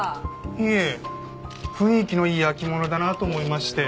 いえ雰囲気のいい焼き物だなと思いまして。